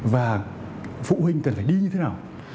và phụ huynh cần phải đi như thế nào